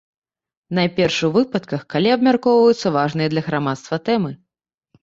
Найперш у выпадках, калі абмяркоўваюцца важныя для грамадства тэмы.